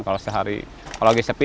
kalau lagi sepi